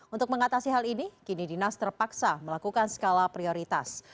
untuk mengatasi hal ini kini dinas terpaksa melakukan skala prioritas